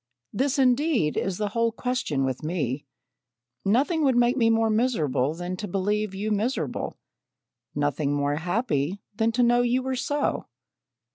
This, indeed, is the whole question with me. Nothing would make me more miserable than to believe you miserable nothing more happy than to know you were so."